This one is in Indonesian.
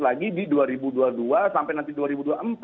lagi di dua ribu dua puluh dua sampai nanti